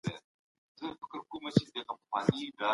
که موږ زده کړه وکړو نو هیواد جوړوو.